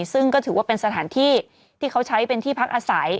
ซึ่งก็ถือว่าเป็นสถานที่ที่เขาใช้เป็นที่พักอาศัย